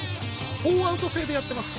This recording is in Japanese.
４アウト制でやってます。